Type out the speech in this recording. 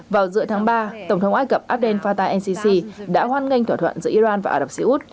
vào giữa tháng ba tổng thống ai cập abdel fattah el sisi đã hoan nghênh thỏa thuận giữa iran và ả rập xê út